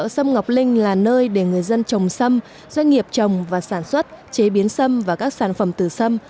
sâm ngọc linh là nơi để người dân trồng sâm doanh nghiệp trồng và sản xuất chế biến sâm và các sản phẩm từ sâm